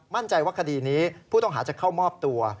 มั่นใจว่าคดีนี้ผู้ต้องหาจะเข้ามอบตัว